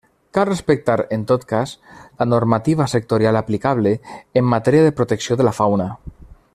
Cal respectar, en tot cas, la normativa sectorial aplicable en matèria de protecció de la fauna.